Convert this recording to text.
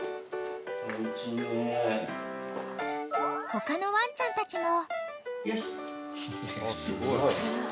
［他のワンちゃんたちも］